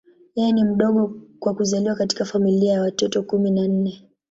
Yeye ni mdogo kwa kuzaliwa katika familia ya watoto kumi na nne.